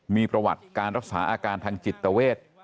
มีประวัติการรักษาอาการทางจิตเวท